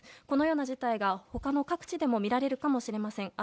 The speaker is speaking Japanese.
このような事態がほかの各地でも見られるかもしれません。